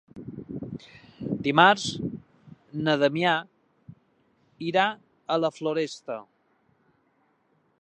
Dimarts na Damià irà a la Floresta.